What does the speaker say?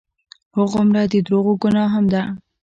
هغومره د دروغو ګناه هم ده.